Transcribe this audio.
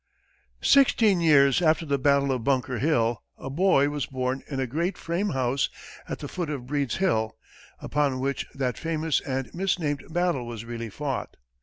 [Illustration: MORSE] Sixteen years after the battle of Bunker Hill, a boy was born in a great frame house at the foot of Breed's Hill, upon which that famous and misnamed battle was really fought.